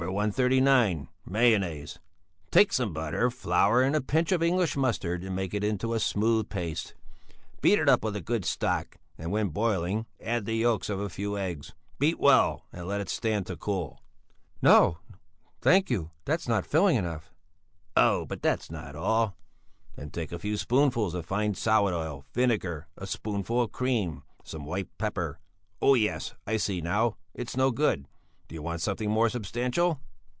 139. Mayonnaise: Take some butter, flour, and a pinch of English mustard, and make it into a smooth paste. Beat it up with good stock, and when boiling add the yolks of a few eggs; beat well and let it stand to cool." "No, thank you; that's not filling enough...." "Oh, but that's not all. Then take a few spoonfuls of fine salad oil, vinegar, a spoonful of cream, some white pepper oh, yes, I see now, it's no good. Do you want something more substantial?"